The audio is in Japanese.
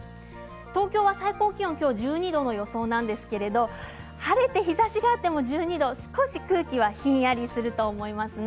東京は最高気温今日は１２度の予想ですが晴れて日ざしがあっても１２度少し空気がひんやりすると思います。